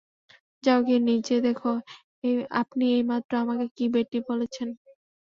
যাও গিয়ে নিজে দেখো আপনি এইমাত্র আমাকে কী বেটি বলেছেন?